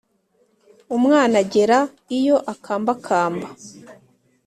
umwana agera iyo akambakamba,